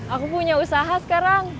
aku punya usaha sekarang